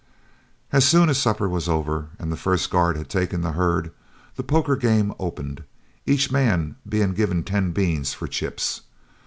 As soon as supper was over and the first guard had taken the herd, the poker game opened, each man being given ten beans for chips.